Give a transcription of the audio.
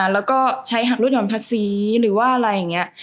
แล้วก็ใช้หักลดหย่อนภาษีหรือว่าอะไรอย่างนี้